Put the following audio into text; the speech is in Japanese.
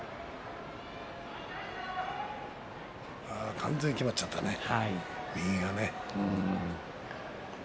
完全にきまっちゃったね、右がね。